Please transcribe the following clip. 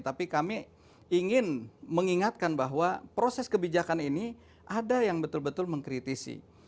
tapi kami ingin mengingatkan bahwa proses kebijakan ini ada yang betul betul mengkritisi